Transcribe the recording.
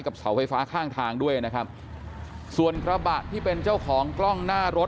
เสาไฟฟ้าข้างทางด้วยนะครับส่วนกระบะที่เป็นเจ้าของกล้องหน้ารถ